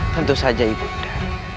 tentu saja ibu muda